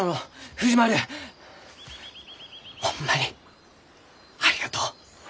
藤丸ホンマにありがとう。